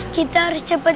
kita harus cepet